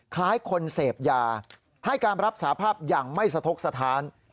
คล้ายคนเสพยาให้การรับสาภาพอย่างไม่สะทกสถาน